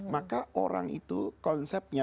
maka orang itu konsepnya